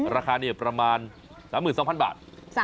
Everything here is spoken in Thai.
ราคาเนี่ยประมาณ๓๒๐๐๐บาท